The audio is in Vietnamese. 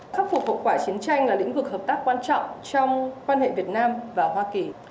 khắc phục hậu quả chiến tranh là lĩnh vực hợp tác quan trọng trong quan hệ việt nam và hoa kỳ